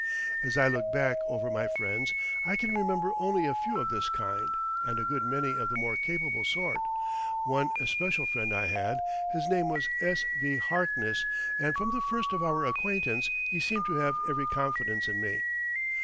As I look back over my friends, I can remember only a few of this kind and a good many of the more capable sort. One especial friend I had. His name was S.V. Harkness, and from the first of our acquaintance he seemed to have every confidence in me.